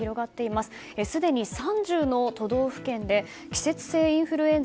すでに３０の都道府県で季節性インフルエンザ